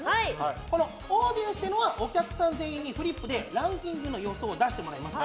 このオーディエンスというのはお客さんにフリップでランキングの予想を出してもらいます。